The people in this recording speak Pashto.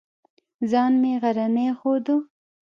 ځان مې غرنی ښوده.